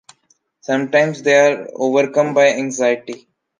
Sometimes they are overcome by anxiety.